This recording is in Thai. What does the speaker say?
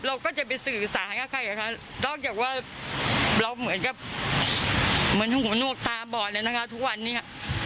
เราก็จะไปสื่อสารกับใครอ่ะคะนอกจากว่าเราเหมือนกับเหมือนหัวนวกตาบอดเลยนะคะทุกวันนี้